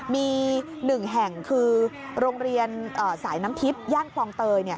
มีหนึ่งแห่งคือโรงเรียนสายน้ำทิศย่านควองเตย